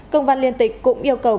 công văn liên tịch cũng yêu cầu